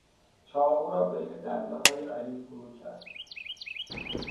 چاقو را بین دندههای علی فرو کرد.